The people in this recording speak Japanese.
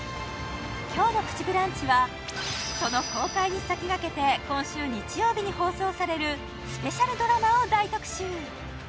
今日の「プチブランチ」はその公開に先駆けて今週日曜日に放送されるスペシャルドラマを大特集